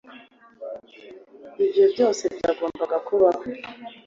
Ibyo byose byagombaga kubaho.